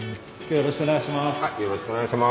よろしくお願いします。